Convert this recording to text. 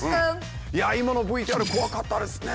今のＶＴＲ怖かったですね。